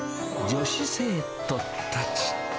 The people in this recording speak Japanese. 女子生徒たち。